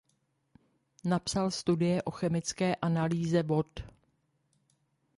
Napsal studie o chemické analýze vod.